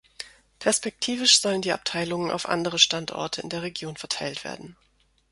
Perspektivisch sollen die Abteilungen auf andere Standorte in der Region verteilt werden.